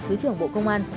thứ trưởng bộ công an